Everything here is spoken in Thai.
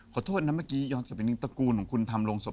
ขอโทษนะเมื่อกี้ย้อนกลับไปนึกตระกูลของคุณทำโรงศพ